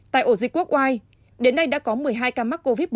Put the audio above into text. tại ổ dịch quốc oai đến nay đã có một mươi hai ca mắc covid một mươi chín